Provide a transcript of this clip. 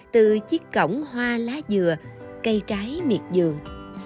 từ chiếc cổng hoa lá dừa cây trái miệt dường